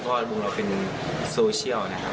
เพราะมุมเราเป็นโซเชียลนะครับ